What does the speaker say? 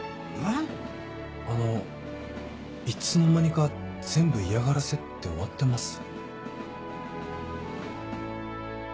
あのいつの間にか全部嫌がらせって終わってます？